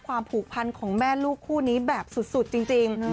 ผูกพันของแม่ลูกคู่นี้แบบสุดจริง